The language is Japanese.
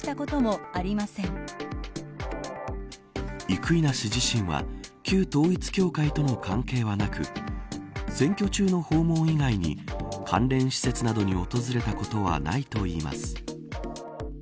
生稲氏自身は旧統一教会との関係はなく選挙中の訪問以外に関連施設などに訪れたことはないといいます。